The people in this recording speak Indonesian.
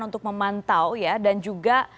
untuk memantau ya dan juga